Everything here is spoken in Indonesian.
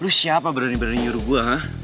lo siapa berani berani nyuruh gue hah